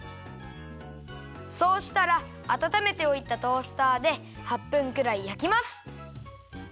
そうしたらあたためておいたトースターで８分くらいやきます。